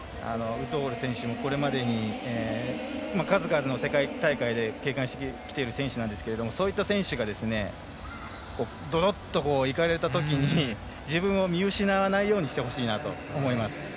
ウッドホール選手もこれまでに数々の世界大会を経験している選手ですからそういう選手がどどっといかれたとき、自分を見失わないようにしてほしいと思います。